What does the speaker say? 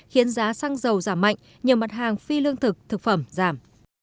khiến giá xăng dầu giảm mạnh nhiều mặt hàng phi lương thực thực phẩm giảm